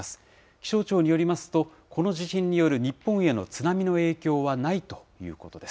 気象庁によりますと、この地震による日本への津波の影響はないということです。